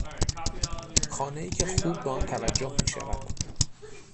خانهای که خوب به آن توجه میشود